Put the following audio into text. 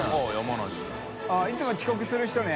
いつも遅刻する人ね。